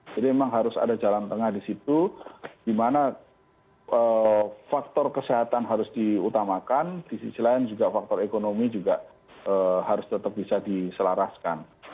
jadi memang harus ada jalan tengah di situ di mana faktor kesehatan harus diutamakan di sisi lain juga faktor ekonomi juga harus tetap bisa diselaraskan